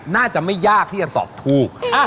น่าจะไม่ยากที่จะตอบถูก